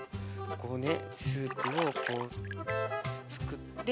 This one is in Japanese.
こうねスープをこうすくって。